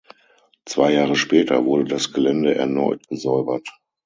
Zwei Jahre später wurde das Gelände erneut gesäubert.